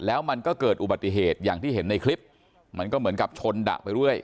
แล้วมันก็เกิดอุบัติเหตุอย่างที่เห็นในคลิปมันก็เหมือนกับชนดะไปเรื่อย